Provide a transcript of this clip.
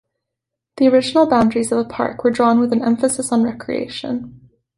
The original boundaries of the park were drawn with an emphasis on recreation.